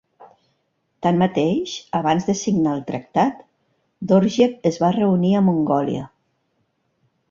Tanmateix, abans de signar el tractat, Dorjiev es va reunir a Mongòlia.